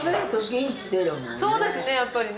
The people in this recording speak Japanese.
そうですねやっぱりね。